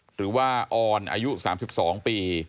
หรือว่าออนอายุ๓๒ปี